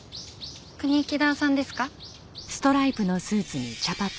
国木田さんですか？